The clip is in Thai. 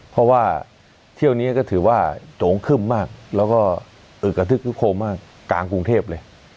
เพราะว่าเที่ยวนี้ก็ถือว่าโจงคึ้มมากแล้วก็อึกกระทึกคึกโคมมากกลางกรุงเทพเลย